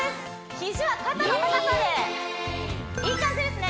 肘は肩の高さでいい感じですね